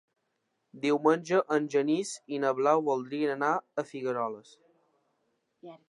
Diumenge en Genís i na Blau voldrien anar a Figueroles.